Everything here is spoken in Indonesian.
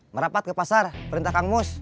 merapat ke pasar perintah kang mus